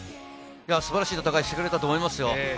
素晴らしい戦いをしてくれたと思います。